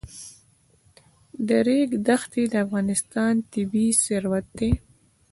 د ریګ دښتې د افغانستان طبعي ثروت دی.